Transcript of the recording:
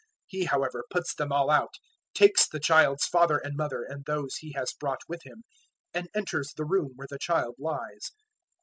He, however, puts them all out, takes the child's father and mother and those He has brought with Him, and enters the room where the child lies.